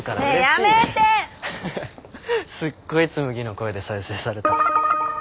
すっごい紬の声で再生された。